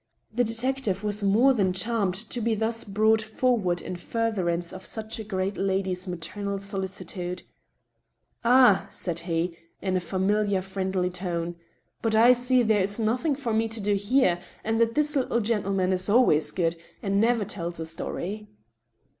The detective was more than charmed to be thus brought forward in furtherance of such a great lady's maternal solicitude. •* Ah !" said he, in a familiar, friendly tone, " but I see there is nothing for me to do here, and that this little gentleman is always good, and never tells a story."